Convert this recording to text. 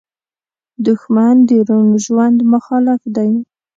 دښمن د روڼ ژوند مخالف دی